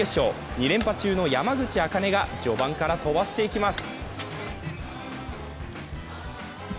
２連覇中の山口茜が序盤から飛ばしていきます。